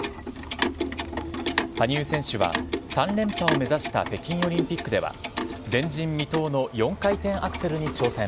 羽生選手は３連覇を目指した北京オリンピックでは、前人未到の４回転アクセルに挑戦。